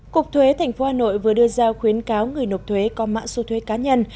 cục thuế thành phố hà nội vừa đưa ra khuyến cáo người nộp thuế có mạng su thuế cá nhân